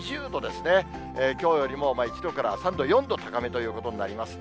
きょうよりも１度から３度、４度高めということになります。